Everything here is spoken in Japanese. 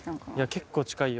結構近いよ。